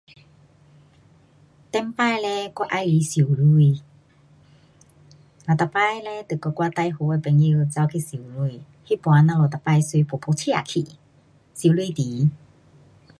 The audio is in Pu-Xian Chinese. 以前嘞我喜欢游泳。呐每次嘞就跟我最好的朋友跑去游泳。那次我们每次驾噗噗车去医院池。